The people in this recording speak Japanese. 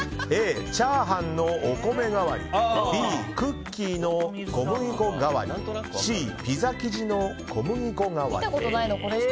Ａ、チャーハンのお米代わりＢ、クッキーの小麦粉代わりＣ、ピザ生地の小麦粉代わり。